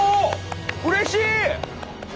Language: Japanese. うれしい！